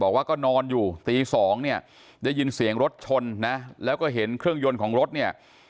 บอกว่าก็นอนอยู่ตีสองเนี่ยได้ยินเสียงรถชนนะแล้วก็เห็นเครื่องยนต์ของรถเนี่ย